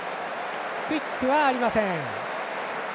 クイックはありません。